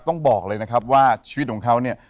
ต้องบอกเลยนะครับว่าชีวิตของเขาเนี่ย